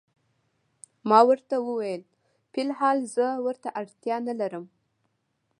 ما ورته وویل: فی الحال زه ورته اړتیا نه لرم.